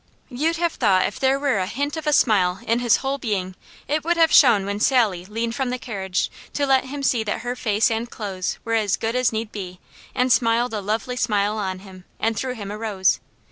You'd have thought if there were a hint of a smile in his whole being it would have shown when Sally leaned from the carriage to let him see that her face and clothes were as good as need be and smiled a lovely smile on him, and threw him a rose.